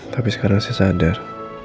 tapi sekarang saya sadar